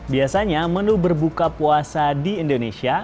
biasanya menu berbuka puasa di indonesia